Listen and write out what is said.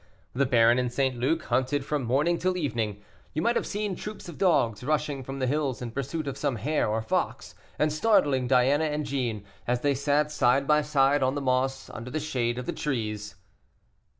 The baron and St. Luc hunted from morning till evening; you might have seen troops of dogs rushing from the hills in pursuit of some hare or fox, and startling Diana and Jeanne, as they sat side by side on the moss, under the shade of the trees.